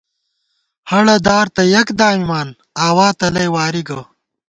ہَڑہ دار تہ یَک دامِمان ، آوا تلَئ واری گہ